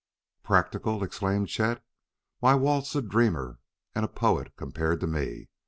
"Practical!" exclaimed Chet. "Why, Walt's a dreamer and a poet compared to me.